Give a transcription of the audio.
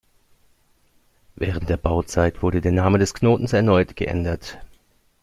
Während der Bauzeit wurde der Name des Knotens erneut geändert.